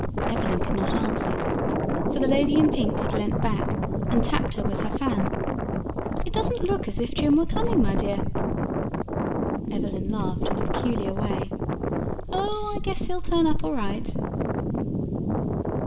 Evelyn could not answer, for the lady in pink had leant back and tapped her with her fan. "It doesn't look as if Jim were coming, my dear." Evelyn laughed, in a peculiar way. "Oh, I guess he'll turn up all right."